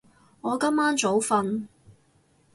我今晚早瞓